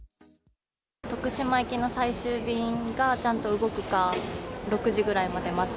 徳島行きの最終便がちゃんと動くか、６時ぐらいまで待つ。